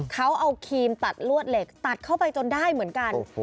เขาเอาครีมตัดลวดเหล็กตัดเข้าไปจนได้เหมือนกัน